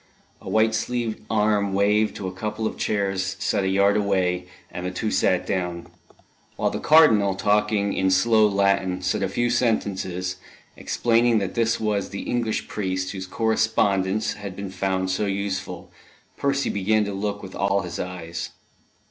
A white sleeved arm waved to a couple of chairs set a yard away, and the two sat down. While the Cardinal, talking in slow Latin, said a few sentences, explaining that this was the English priest whose correspondence had been found so useful, Percy began to look with all his eyes.